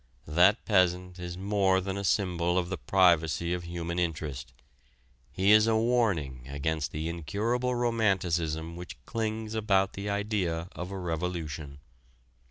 That peasant is more than a symbol of the privacy of human interest: he is a warning against the incurable romanticism which clings about the idea of a revolution.